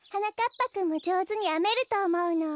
ぱくんもじょうずにあめるとおもうの。